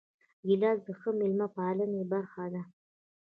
ګیلاس د ښه میلمه پالنې برخه ده.